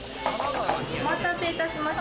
お待たせいたしました。